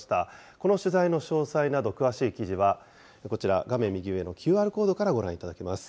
この取材の詳細など、詳しい記事はこちら、画面右上のＱＲコードからご覧いただけます。